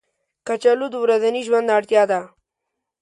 کچالو د ورځني ژوند اړتیا ده